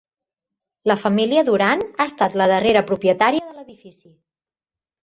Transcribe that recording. La família Duran ha estat la darrera propietària de l'edifici.